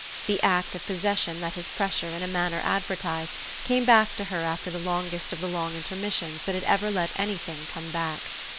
The act of possession that his pressure in a manner advertised came back to her after the longest of the long intermissions that had ever let anything come back.